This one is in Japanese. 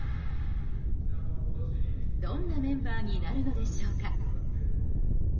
どんなメンバーになるのでしょうか。